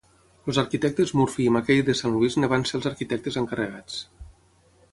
Els arquitectes Murphy i Mackey de Saint Louis en van ser els arquitectes encarregats.